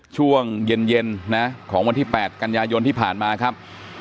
ช่วงเย็นนะของวันที่๘กันยายนที่ผ่านมาครับ